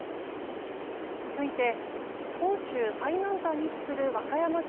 続いて本州最南端に位置する和歌山県